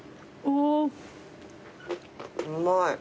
うまい。